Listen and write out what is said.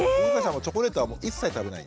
チョコレートはもう一切食べない。